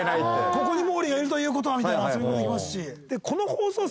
ここに毛利がいるということはみたいな遊びもできますし。